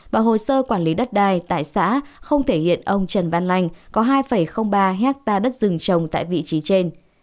và hồ sơ quản lý đất đai tại xã không thể hiện ông trần văn lành có hai ba hectare đất rừng trồng tại vị trí trên